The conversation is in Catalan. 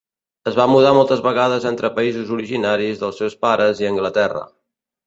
Es va mudar moltes vegades entre països originaris dels seus pares i Anglaterra.